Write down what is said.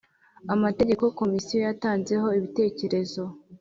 Amategeko Komisiyo yatanzeho ibitekerezo